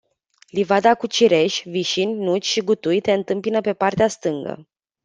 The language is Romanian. Livada cu cireși, vișini, nuci și gutui te întâmpină pe partea stângă.